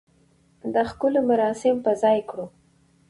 د خښولو مراسم په ځاى کړو.